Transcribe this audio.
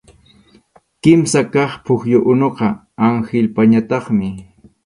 Kimsa kaq pukyu unuqa Anhilpañataqmi.